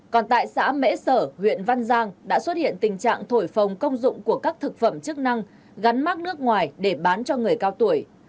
còn tại xã mễ sở huyện văn giang đã xuất hiện tình trạng thổi phồng công dụng của các thực phẩm chức năng gắn mát nước ngoài để bán cho người cao tuổi